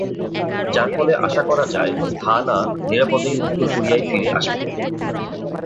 যার ফলে আশা করা যায়, হা-না নিরাপদেই উত্তর কোরিয়ায় ফিরে আসবে।